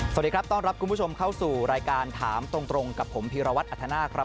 สวัสดีครับต้อนรับคุณผู้ชมเข้าสู่รายการถามตรงกับผมพีรวัตรอัธนาคครับ